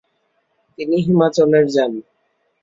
তিনি হিমাচলের যান ।